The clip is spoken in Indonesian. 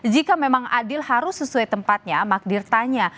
jika memang adil harus sesuai tempatnya magdir tanya